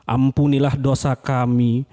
ampunilah dosa kami